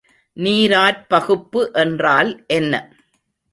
நீராற்பகுப்பு என்றால் என்ன?